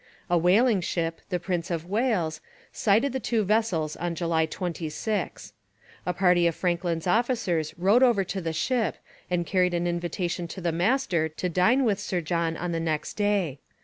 A whaling ship, the Prince of Wales, sighted the two vessels on July 26. A party of Franklin's officers rowed over to the ship and carried an invitation to the master to dine with Sir John on the next day.